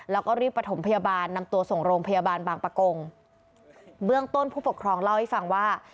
แล้วก็รีบประถมพยาบาลนำตัวส่งโรงพยาบาลบางประกงเบื้องต้นผู้ปกครองเล่าให้ฟังว่า